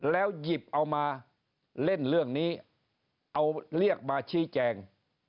แล้วหยิบเอามาเล่นเรื่องนี้เอาเรียกมาชี้แจง